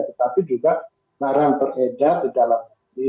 tetapi juga barang beredar di dalam